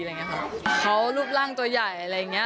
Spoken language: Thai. เขารูปร่างตัวใหญ่อะไรอย่างเงี้